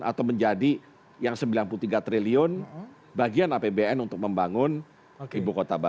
atau menjadi yang sembilan puluh tiga triliun bagian apbn untuk membangun ibu kota baru